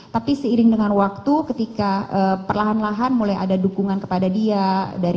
tapi seiring dengan waktu ketika perlahan lahan mulai ada dukungan kepada dia